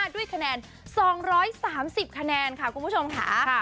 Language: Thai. ด้วยคะแนน๒๓๐คะแนนค่ะคุณผู้ชมค่ะ